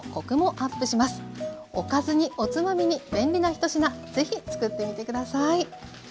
おかずにおつまみに便利な一品是非つくってみて下さい。